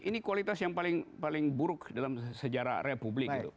ini kualitas yang paling buruk dalam sejarah republik